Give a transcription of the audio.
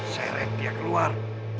seret dia keluar